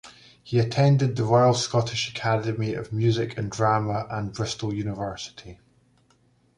He attended the Royal Scottish Academy of Music and Drama and Bristol University.